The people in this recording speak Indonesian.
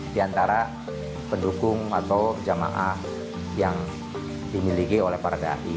di antara pendukung atau jamaah yang dimiliki oleh para da'i